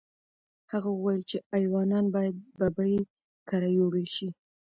هغه وویل چې ایوانان باید ببۍ کره یوړل شي.